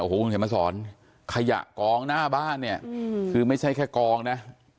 คุณเขียนมาสอนขยะกองหน้าบ้านเนี่ยคือไม่ใช่แค่กองนะ